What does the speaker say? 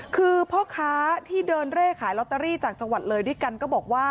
คือพ่อค้าที่เดินเร่ขายลอตเตอรี่จากจังหวัดเลยด้วยกันก็บอกว่า